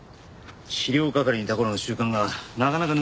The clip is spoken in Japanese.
資料係にいた頃の習慣がなかなか抜けなくてね。